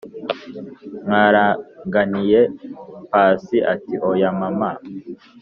mwaraganiye?"pasi ati"oya mama!